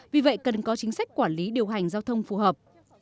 vì vậy cần có chính sách quản lý điều hành giao thông phù hợp